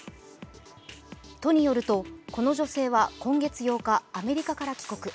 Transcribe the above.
都によると、この女性は今月８日、アメリカから帰国。